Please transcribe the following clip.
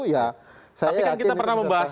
ya saya yakin tapi kan kita pernah membahas